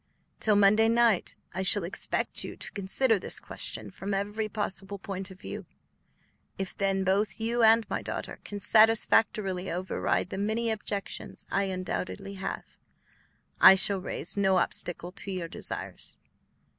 Till Monday night I shall expect you to consider this question from every possible point of view. If then both you and my daughter can satisfactorily override the many objections I undoubtedly have, I shall raise no obstacle to your desires.